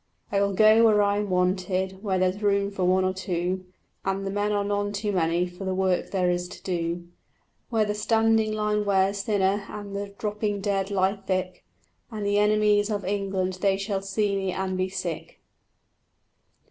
"I will go where I am wanted, where there's room for one or two, And the men are none too many for the work there is to do; Where the standing line wears thinner and the dropping dead lie thick; And the enemies of England they shall see me and be sick."